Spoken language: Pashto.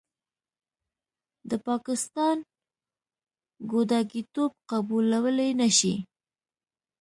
د پاکستان ګوډاګیتوب قبلولې نشي.